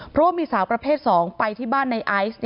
เพราะว่ามีสาวประเภท๒ไปที่บ้านในไอซ์